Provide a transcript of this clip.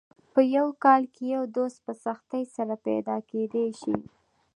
په یو کال کې یو دوست په سختۍ سره پیدا کېدای شي.